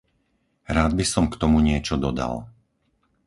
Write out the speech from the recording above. Rád by som k tomu niečo dodal.